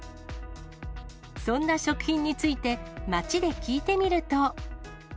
そんな食品について、街で聞いてみると。